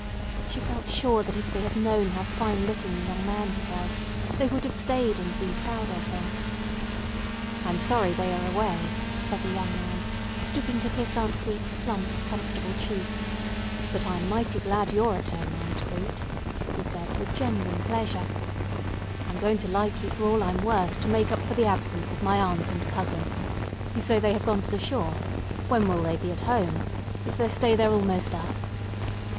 She felt sure that if they had known how fine looking a young man he was, they would have stayed and been proud of him. "I'm sorry they are away," said the young man, stooping to kiss Aunt Crete's plump, comfortable cheek; "but I'm mighty glad you're at home, Aunt Crete," he said with genuine pleasure. "I'm going to like you for all I'm worth to make up for the absence of my aunt and cousin. You say they have gone to the shore. When will they be at home? Is their stay there almost up?"